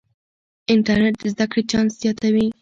انټرنیټ د زده کړې چانس زیاتوي.